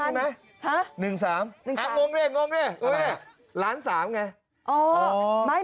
๑๓มันมั้ย๑๓หนูงละเนี่ยล้านสามไง